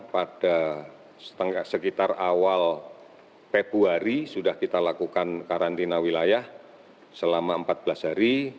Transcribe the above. pada sekitar awal februari sudah kita lakukan karantina wilayah selama empat belas hari